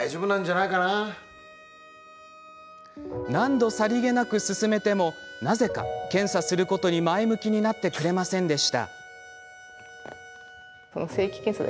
何度、さりげなく勧めてもなぜか検査することに前向きになってくれませんでした。